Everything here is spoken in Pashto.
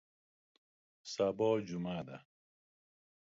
سبا جمعه ده